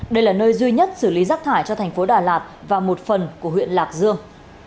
đây là nơi duy nhất xử lý rác thải cho thành phố đà lạt và một phần của huyện lạc dương